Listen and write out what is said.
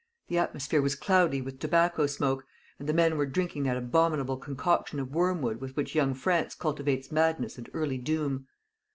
The atmosphere was cloudy with tobacco smoke; and the men were drinking that abominable concoction of worm wood with which young France cultivates madness and early doom."